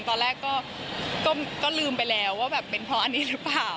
ตอนแรกก็ลืมไปแล้วว่าแบบเป็นเพราะอันนี้หรือเปล่า